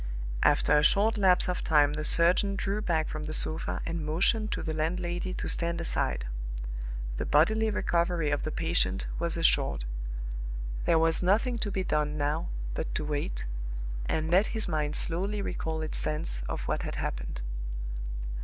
After a short lapse of time the surgeon drew back from the sofa and motioned to the landlady to stand aside. The bodily recovery of the patient was assured. There was nothing to be done now but to wait, and let his mind slowly recall its sense of what had happened.